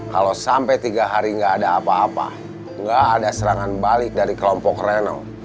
kalau sampai tiga hari nggak ada apa apa nggak ada serangan balik dari kelompok reno